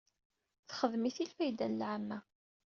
Texdem-it i lfayda n lɛamma.